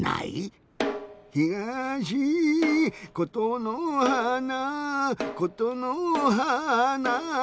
ひがしことのはーなことのはーな。